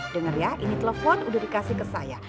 dengar ya ini telepon udah dikasih ke saya